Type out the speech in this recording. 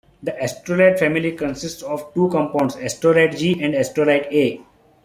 The Astrolite family consists of two compounds, Astrolite G and Astrolite A.